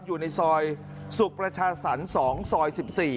อยู่ในซอยสุขประชาสรรค์๒ซอย๑๔